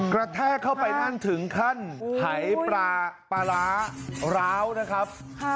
แทกเข้าไปนั่นถึงขั้นหายปลาปลาร้าร้าวนะครับ